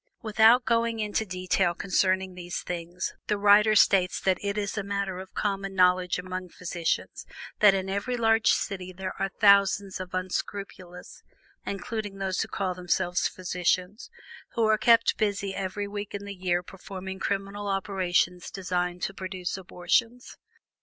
Without going into detail concerning these things, the writer states that it is a matter of common knowledge among physicians that in every large city there are thousands of unscrupulous (including those who call themselves physicians) who are kept busy every week in the year performing criminal operations designed to produce abortions.